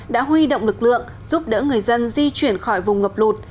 đã huy động lực lượng giúp đỡ người dân di chuyển khỏi vùng ngập lụt